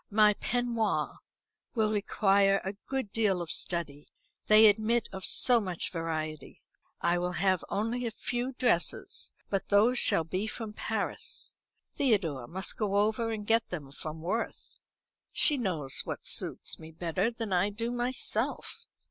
My peignoirs will require a good deal of study; they admit of so much variety. I will have only a few dresses, but those shall be from Paris. Theodore must go over and get them from Worth. She knows what suits me better than I do myself.